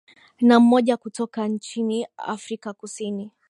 na mmoja kutoka nchini afrika kusini